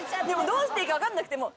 どうしていいか分かんなくて。